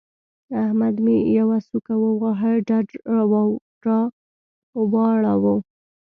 احمد مې يوه سوک وواهه؛ ډډ را واړاوو.